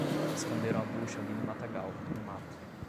Esconderam a bucha ali no matagal, no mato